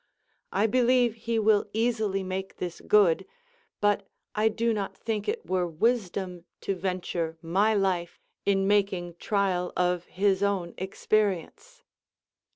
I believe he will easily make this good, but I do not think it were wisdom to venture my life in making trial of his own experience.